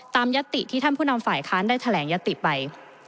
ยัตติที่ท่านผู้นำฝ่ายค้านได้แถลงยติไป